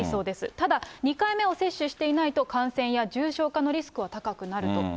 ただ、２回目を接種していないと感染や重症化のリスクは高くなると。